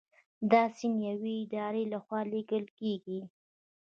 دا سند د یوې ادارې لخوا لیږل کیږي.